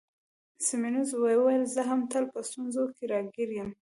سیمونز وویل: زه هم تل په ستونزو کي راګیر یم.